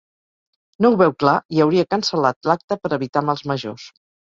No ho veu clar i hauria cancel·lat l'acte per evitar mals majors.